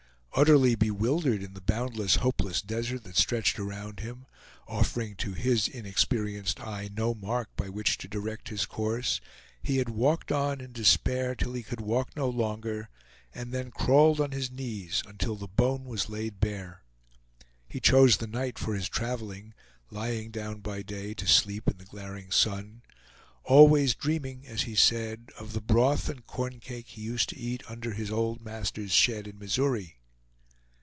Utterly bewildered in the boundless, hopeless desert that stretched around him, offering to his inexperienced eye no mark by which to direct his course, he had walked on in despair till he could walk no longer, and then crawled on his knees until the bone was laid bare. He chose the night for his traveling, lying down by day to sleep in the glaring sun, always dreaming, as he said, of the broth and corn cake he used to eat under his old master's shed in Missouri.